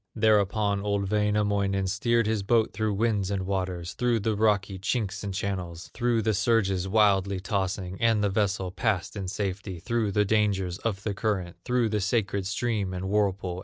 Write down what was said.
Thereupon old Wainamoinen Steered his boat through winds and waters, Through the rocky chinks and channels, Through the surges wildly tossing; And the vessel passed in safety Through the dangers of the current, Through the sacred stream and whirlpool.